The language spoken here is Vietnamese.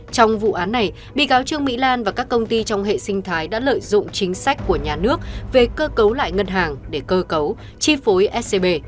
trong vụ án này bị cáo trương mỹ lan và các công ty trong hệ sinh thái đã lợi dụng chính sách của nhà nước về cơ cấu lại ngân hàng để cơ cấu chi phối scb